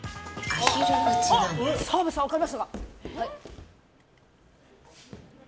澤部さん、分かりましたか？